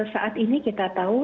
saat ini kita tahu